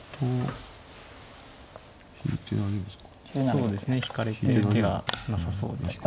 そうですね引かれて受けがなさそうですけど。